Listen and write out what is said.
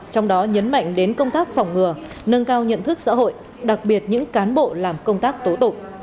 trong đó nhấn mạnh đến công tác phòng ngừa nâng cao nhận thức xã hội đặc biệt những cán bộ làm công tác tố tụng